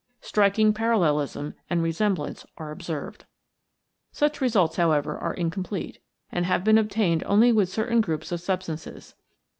Striking parallelism and resemblance are observed. Such results, however, are incomplete, and have been obtained only with certain groups of substances.